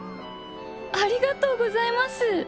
ありがとうございます。